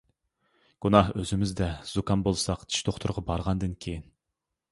-گۇناھ ئۆزىمىزدە زۇكام بولساق چىش دوختۇرغا بارغاندىن كېيىن.